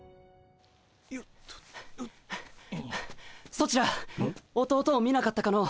ソチら弟を見なかったかの？